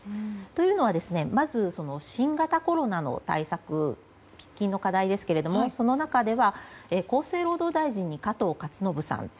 というのはまず新型コロナの対策喫緊の課題ですけどその中では厚生労働大臣に加藤勝信さん。